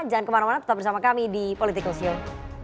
jangan kemana mana tetap bersama kami di political show